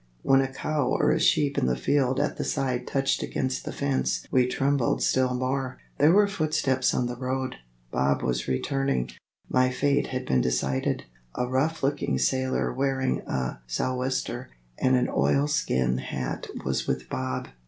When a cow or a sheep in the field at the side touched against the fence we trembled still more. There were footsteps on the road. Bob was returning. My fate had been decided. A rough looking sailor wearing a sou'wester and an oilskin hat was with Bob.